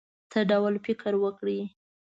څه ډول فکر وکړی.